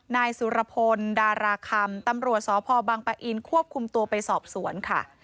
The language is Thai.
นายสุรพลดาราคำตำรวจสพบังปะอินควบคุมตัวไปสอบสวนค่ะ